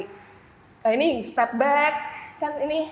nah ini step back kan ini